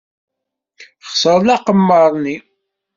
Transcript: Xeṣren aqemmer-nni.